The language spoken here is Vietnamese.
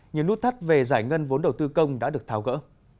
những nút thắt về giải ngân vốn đầu tư công đã được tháo gỡ